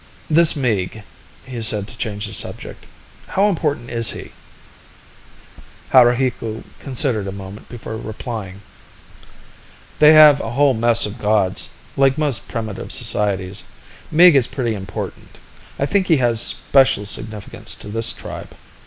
"This Meeg," he said to change the subject. "How important is he?" Haruhiku considered a moment before replying. "They have a whole mess of gods, like most primitive societies. Meeg is pretty important. I think he has a special significance to this tribe